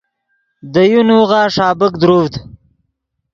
دے یو نوغہ ݰابیک دروڤد